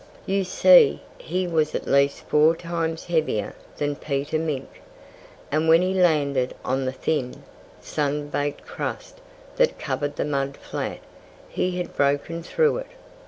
You see, he was at least four times heavier than Peter Mink. And when he landed on the thin, sun baked crust that covered the mud flat he had broken through it.